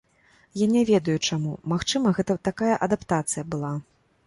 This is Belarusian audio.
Я не ведаю чаму, магчыма, гэта такая адаптацыя была.